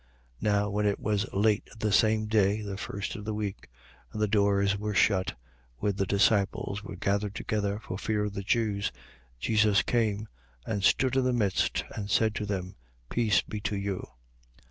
20:19. Now when it was late the same day, the first of the week, and the doors were shut, where the disciples were gathered together, for fear of the Jews, Jesus came and stood in the midst and said to them: Peace be to you.